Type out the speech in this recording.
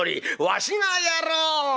「わしがやろう！」